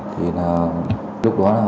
thì là lúc đó là tôi cũng không còn kiêm nhận